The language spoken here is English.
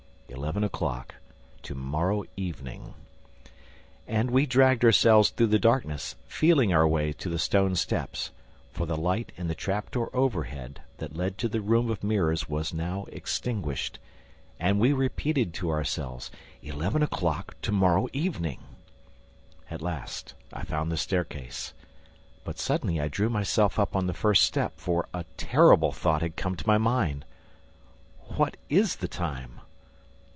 Eleven o'clock to morrow evening! And we dragged ourselves through the darkness, feeling our way to the stone steps, for the light in the trap door overhead that led to the room of mirrors was now extinguished; and we repeated to ourselves: "Eleven o'clock to morrow evening!" At last, I found the staircase. But, suddenly I drew myself up on the first step, for a terrible thought had come to my mind: "What is the time?"